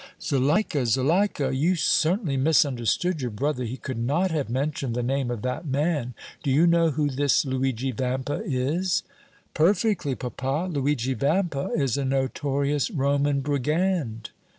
"Zuleika, Zuleika, you certainly misunderstood your brother; he could not have mentioned the name of that man! Do you know who this Luigi Vampa is?" "Perfectly, papa; Luigi Vampa is a notorious Roman brigand."